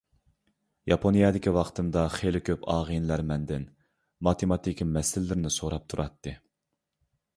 ياپونىيەدىكى ۋاقتىمدا خېلى كۆپ ئاغىنىلەر مەندىن ماتېماتىكا مەسىلىلىرىنى سوراپ تۇراتتى.